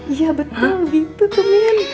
iya betul gitu tuh min